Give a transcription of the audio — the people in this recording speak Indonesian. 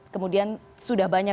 kemudian sudah banyak